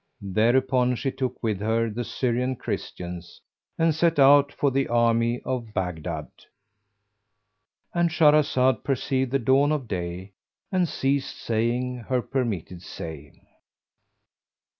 Thereupon she took with her the Syrian Christians, and set out for the army of Baghdad.— And Shahrazad perceived the dawn of day and ceased saying her permitted say.